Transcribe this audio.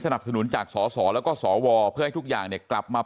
สนับสนุนจากส่อส่อแล้วก็ส่อวอร์เพื่อให้ทุกอย่างเนี่ยกลับมา